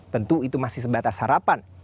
tentu itu masih sebatas harapan